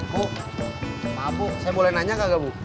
bu maaf bu saya boleh tanya enggak bu